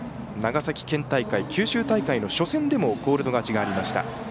長崎県大会、九州大会の初戦でもコールド勝ちがありました。